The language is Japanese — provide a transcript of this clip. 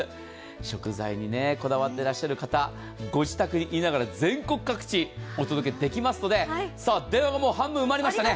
食材にこだわっていらっしゃる方、ご自宅にいながら全国各地お届けできますので、電話がもう半分埋まりましたね。